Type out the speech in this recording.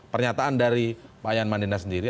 pernyataan dari pak yan maninda sendiri